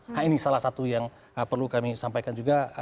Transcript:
nah ini salah satu yang perlu kami sampaikan juga